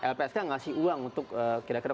lpsk ngasih uang untuk kira kira